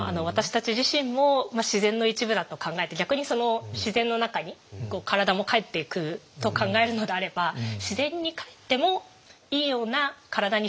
私たち自身も自然の一部だと考えて逆にその自然の中に体もかえっていくと考えるのであればなるほど。